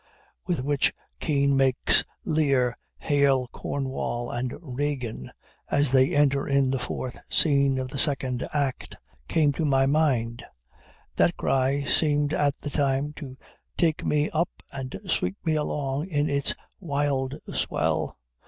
with which Kean makes Lear hail Cornwall and Regan as they enter in the fourth scene of the second act, came to my mind. That cry seemed at the time to take me up and sweep me along in its wild swell.